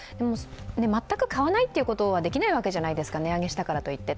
全く買わないということはできないわけじゃないですか、値上げしたからといって。